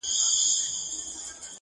تا څه کوئ اختر د بې اخترو په وطن کي،